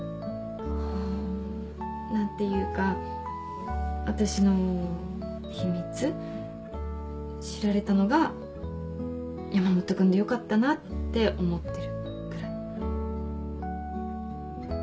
ん何ていうか私の秘密知られたのが山本君でよかったなって思ってるぐらい。